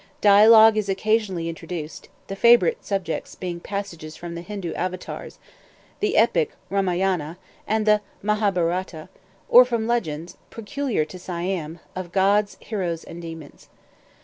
Dialogue is occasionally introduced, the favorite subjects being passages from the Hindoo Avatars, the epic "Ramayana," and the "Mahabharata"; or from legends, peculiar to Siam, of gods, heroes, and demons.